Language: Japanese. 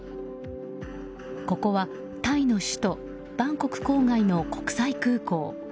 ここはタイの首都バンコク郊外の国際空港。